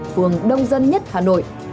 phương đông dân nhất hà nội